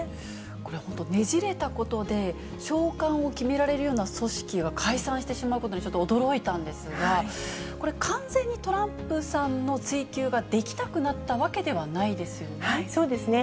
これ、本当、ねじれたことで、召喚を決められるような組織が解散してしまうことに、ちょっと驚いたんですが、これ、完全にトランプさんの追及ができなくなったわけではないですよね。